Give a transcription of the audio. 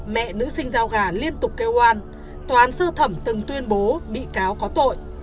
mẹ nữ sinh giao gà liên tục kêu oan toán sơ thẩm từng tuyên bố bị cáo có tội